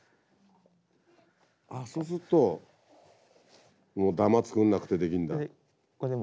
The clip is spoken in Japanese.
ああそうするともう玉作んなくてできんだ。